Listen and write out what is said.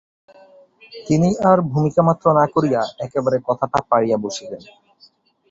তিনি আর ভূমিকামাত্র না করিয়া একেবারে কথাটা পাড়িয়া বসিলেন।